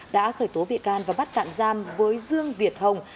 đã khởi tố bị can và bắt tạm giam với dương việt hồng